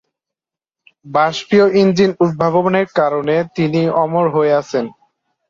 বাষ্পীয় engine উদ্ভাবনের কারণে তিনি অমর হয়ে আছেন।